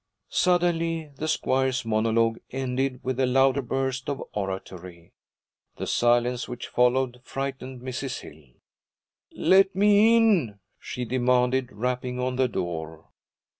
Suddenly the squire's monologue ended with a louder burst of oratory. The silence which followed frightened Mrs. Hill. 'Let me in!' she demanded, rapping on the door.